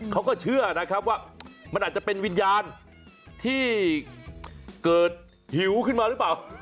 เขาก็เชื่อนะครับว่ามันอาจจะเป็นวิญญาณที่เกิดหิวขึ้นมาหรือเปล่า